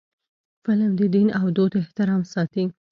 فلم د دین او دود احترام ساتي